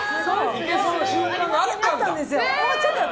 いけそうな瞬間があったのに。